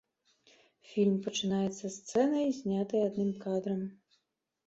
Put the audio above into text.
Фільм пачынаецца сцэнай, знятай адным кадрам.